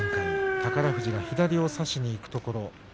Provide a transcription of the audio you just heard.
宝富士が左を差しにいくところ